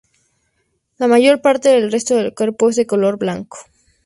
La mayor parte del resto del cuerpo es de color blanco.